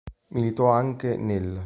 Militò anche nell'.